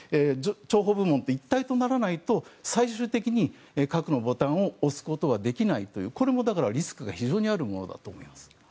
諜報部門と一体とならないと最終的に核のボタンを押すことはできないというこれもリスクが非常にあるものだと思います。